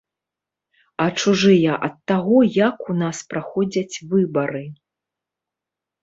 А чужыя ад таго, як у нас праходзяць выбары.